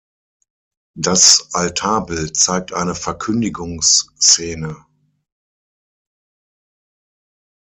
Das Altarbild zeigt eine Verkündigungsszene.